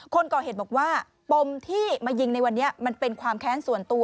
คนก่อเหตุบอกว่าปมที่มายิงในวันนี้มันเป็นความแค้นส่วนตัว